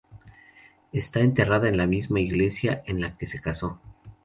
Está enterrada en la misma iglesia en la que se casó.